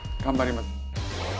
頑張ります。